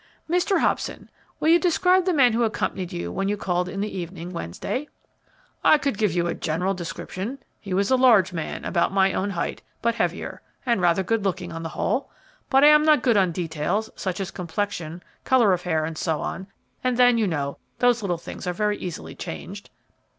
"Mr. Hobson, will you describe the man who accompanied you when you called in the evening, Wednesday?" "I could give you a general description. He was a large man, about my own height, but heavier, and rather good looking, on the whole. But I am not good on details, such as complexion, color of hair, and so on; and then, you know, those little things are very easily changed."